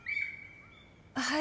はい。